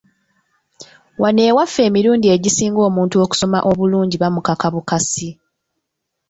Wano ewaffe emirundi egisinga omuntu okusoma obulungi bamukaka bukasi!